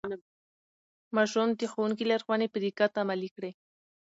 ماشوم د ښوونکي لارښوونې په دقت عملي کړې